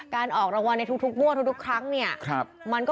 การออกรางวัลในทุกมั่วทุกครั้งเนี่ยมันก็เป็นครับ